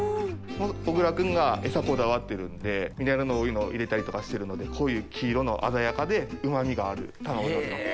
小倉君が餌こだわってるんでミネラルの多いのを入れたりとかしてるのでこういう黄色の鮮やかで旨味がある卵になってます。